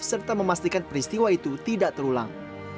serta memastikan peristiwa itu tidak terulang